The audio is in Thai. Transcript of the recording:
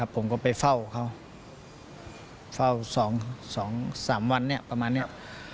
ผมก็ไปเฝ้าเขาเฝ้า๒๓วันเนี่ยประมาณนี้